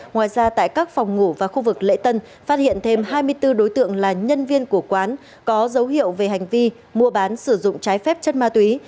ngoài ra tại các phòng ngủ và khu vực lễ tân phát hiện thêm hai mươi bốn đối tượng là nhân viên của quán có dấu hiệu về hành vi mua bán sử dụng trái phép chất ma túy